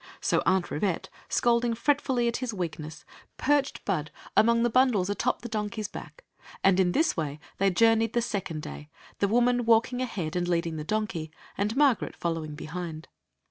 So Aunt Rivette, scolding fretfully at his weakness, perched Bud among the bundles atop the Queen Zixi of Ix; or, the donkey's back, and in this way they journeyed the second day, the woman walking ahead ai d leading the donkey, and Margaret following behind.